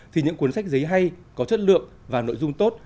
thì những cuốn sách giấy hay có chất lượng và nội dung tốt